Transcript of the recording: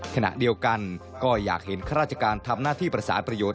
ขณะเดียวกันก็อยากเห็นข้าราชการทำหน้าที่ประสานประโยชน